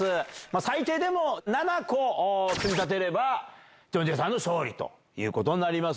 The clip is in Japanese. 最低でも７個積み立てれば、ジョンジェさんの勝利ということになります。